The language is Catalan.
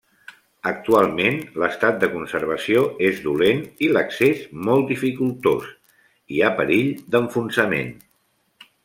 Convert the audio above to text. Actualment, l'estat de conservació és dolent i l'accés molt dificultós; hi ha perill d'enfonsament.